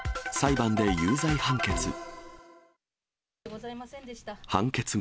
裁判で有罪判決。